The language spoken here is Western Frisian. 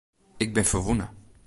Ik bin ferwûne.